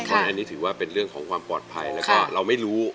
อันนี้ถือว่าเป็นเรื่องของความปลอดภัยแล้วก็เราไม่รู้